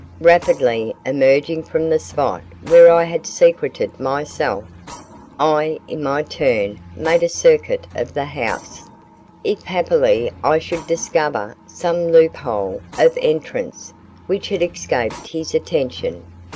Rapidly emerging from the spot where I had secreted myself, I in my turn made a circuit of the house, if happily I should discover some loophole of entrance which had escaped his attention.